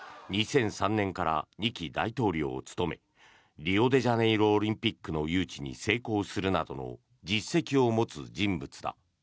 ２００３年から２期、大統領を務めリオデジャネイロオリンピックの誘致に成功するなどの実績を持つ人物だ。